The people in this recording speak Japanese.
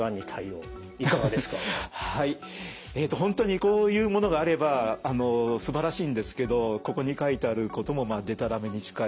本当にこういうものがあればすばらしいんですけどここに書いてあることもでたらめに近い。